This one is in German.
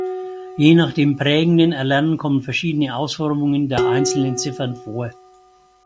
Je nach dem prägenden Erlernen kommen verschiedene Ausformungen der einzelnen Ziffern vor.